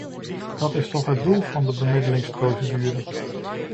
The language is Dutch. Dat is toch het doel van de bemiddelingsprocedure.